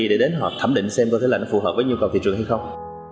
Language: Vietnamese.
để đến họ thẩm định xem có thế là nó phù hợp với nhu cầu thị trường hay không